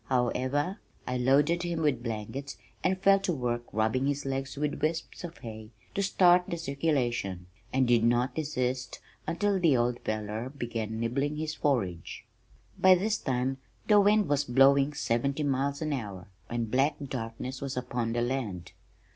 However, I loaded him with blankets and fell to work rubbing his legs with wisps of hay, to start the circulation, and did not desist until the old fellow began nibbling his forage. By this time the wind was blowing seventy miles an hour, and black darkness was upon the land.